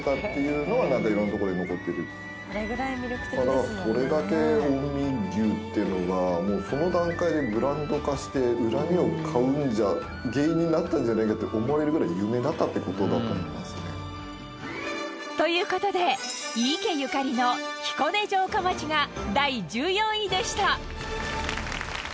だからそれだけ近江牛っていうのがその段階でブランド化して恨みを買うんじゃ原因になったんじゃないかって思われるぐらい有名だったって事だと思いますね。という事で井伊家ゆかりの彦根城下町が第１４位でした。